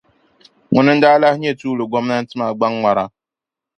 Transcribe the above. Ŋuni n-daa lahi nyɛ tuuli gɔmnanti maa gbaŋ'ŋmara.